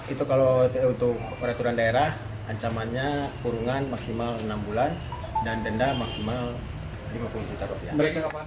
itu kalau untuk peraturan daerah ancamannya kurungan maksimal enam bulan dan denda maksimal lima puluh juta rupiah